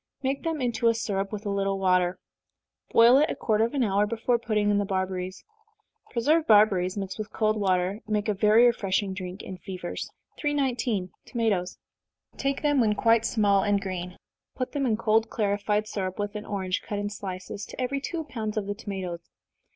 Make them into a syrup with a little water boil it a quarter of an hour before putting in the barberries. Preserved barberries, mixed with cold water, make a very refreshing drink in fevers. 319. Tomatoes. Take them when quite small and green put them in cold clarified syrup, with an orange, cut in slices, to every two pounds of the tomatoes.